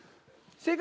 正解！